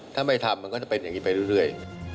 ถ้าไม่ทำมันก็จะเป็นอย่างนี้ไปเรื่อย